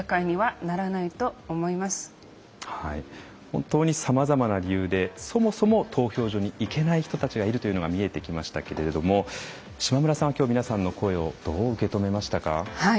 本当にさまざまな理由でそもそも投票所に行けない人たちがいるというのが見えてきましたけれども志磨村さん、皆さんの声をどう受け止めましたか？